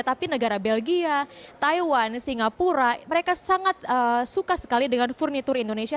tapi negara belgia taiwan singapura mereka sangat suka sekali dengan furnitur indonesia